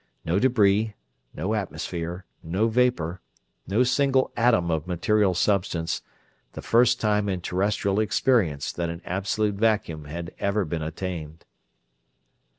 No debris, no atmosphere, no vapor, no single atom of material substance the first time in Terrestrial experience that an absolute vacuum had ever been attained!